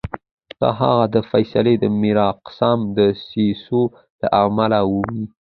د هغه دا فیصله د میرقاسم دسیسو له امله وه.